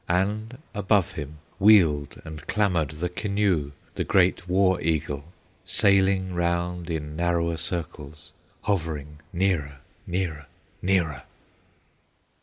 And above him, wheeled and clamored The Keneu, the great war eagle, Sailing round in narrower circles, Hovering nearer, nearer, nearer.